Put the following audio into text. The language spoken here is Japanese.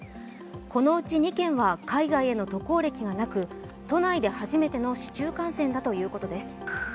このうち２件は海外への渡航歴がなく都内で初めての市中感染だということです。